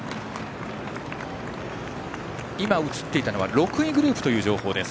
今映っていたのは６位グループという情報です。